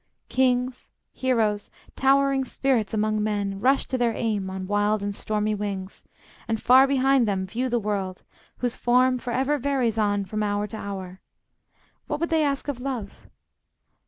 Kings, heroes, towering spirits among men, Rush to their aim on wild and stormy wings, And far beneath them view the world, whose form For ever varies on from hour to hour. What would they ask of love?